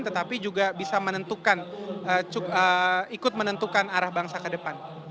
tetapi juga bisa menentukan ikut menentukan arah bangsa ke depan